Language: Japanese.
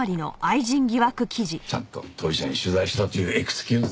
ちゃんと当事者に取材したというエクスキューズだね。